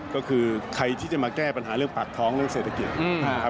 ก็คือใครที่จะมาแก้ปัญหาเรื่องปากท้องเรื่องเศรษฐกิจนะครับ